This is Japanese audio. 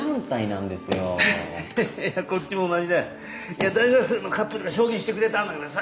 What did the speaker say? いや大学生のカップルが証言してくれたんだけどさ